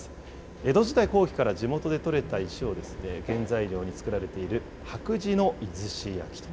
江戸時代後期から地元で採れた石を原材料に作られている白磁の出石焼と。